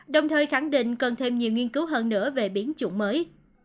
đồng thời khẳng định cần thêm nhiều nghiên cứu hơn nữa về biến chủng mới